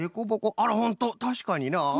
あらほんとたしかになあ。